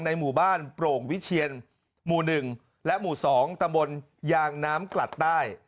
หมู่บ้านโปร่งวิเชียนหมู่๑และหมู่๒ตำบลยางน้ำกลัดใต้